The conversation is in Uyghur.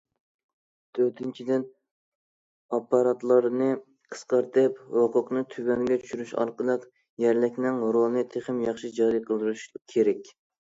تۆتىنچىدىن، ئاپپاراتلارنى قىسقارتىپ، ھوقۇقنى تۆۋەنگە چۈشۈرۈش ئارقىلىق يەرلىكنىڭ رولىنى تېخىمۇ ياخشى جارى قىلدۇرۇش كېرەك.